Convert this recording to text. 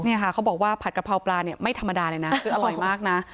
เขาบอกว่าผัดกะเพราปลาเนี่ยไม่ธรรมดาเลยนะคืออร่อยมากนะ